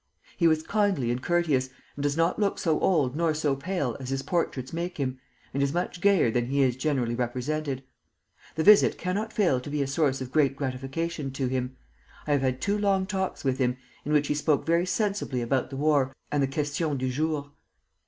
He was kindly and courteous, and does not look so old nor so pale as his portraits make him, and is much gayer than he is generally represented. The visit cannot fail to be a source of great gratification to him.... I have had two long talks with him, in which he spoke very sensibly about the war and the questions du jour.